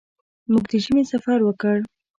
موږ د ژمي سفر وکړ.